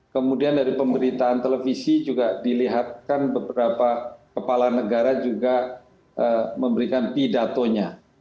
kemudian dari pemberitaan televisi juga dilihatkan beberapa kepala negara juga memberikan pidatonya